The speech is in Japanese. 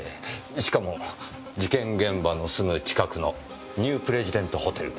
しかも事件現場のすぐ近くのニュープレジデントホテルで。